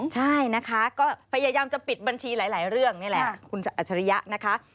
ใช่นะคะก็พยายามจะปิดบัญชีหลายเรื่องนี่แหละคุณอัจฉริยะนะคะ